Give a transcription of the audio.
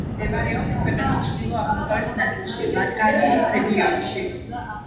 მდებარეობს ქვეყნის ჩრდილო-აღმოსავლეთ ნაწილში, ლატგალიის რეგიონში.